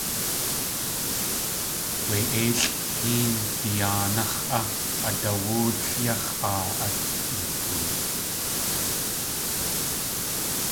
Wé éilʼ héen diyáanax̲.á adawóotl yáx̲ áa at yatee.